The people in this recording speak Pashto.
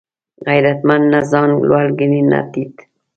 غیرتمند نه ځان لوړ ګڼي نه ټیټ